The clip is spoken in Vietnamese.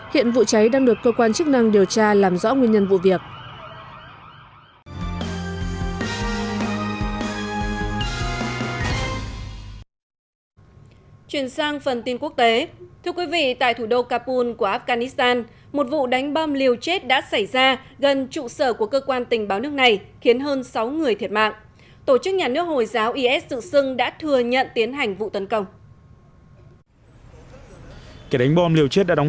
hiện vụ cháy đang được cơ quan chức năng điều tra làm rõ nguyên nhân vụ việc